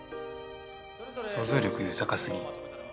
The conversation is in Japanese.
想像力豊かすぎ。